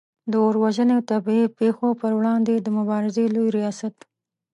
د اور وژنې او طبعې پیښو پر وړاندې د مبارزې لوي ریاست